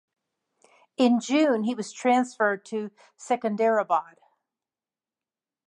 In June he was transferred to Secunderabad.